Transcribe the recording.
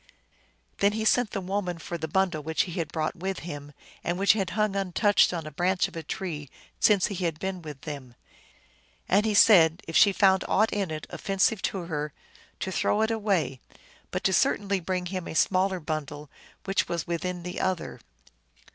Then he sent the woman for the bundle which he had brought with him, and which had hung untouched on a branch of a tree since he had been with them. And he said if she found aught in it offensive to her to throw it away, but to certainly bring him a smaller bundle which was within the other.